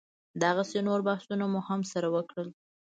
دغسې نور بحثونه مو هم سره وکړل.